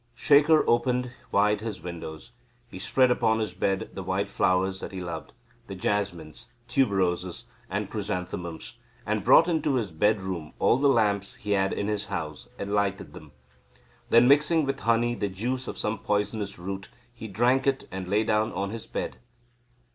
Shekhar opened wide his windows. He spread upon his bed the white flowers that he loved, the jasmines, tuberoses and chrysanthemums, and brought into his bedroom all the lamps he had in his house and lighted them. Then mixing with honey the juice of some poisonous root he drank it and lay down on his bed.